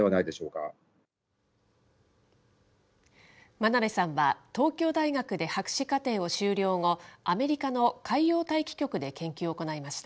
真鍋さんは、東京大学で博士課程を修了後、アメリカの海洋大気局で研究を行いました。